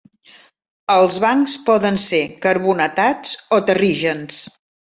Els bancs poden ser carbonatats o terrígens.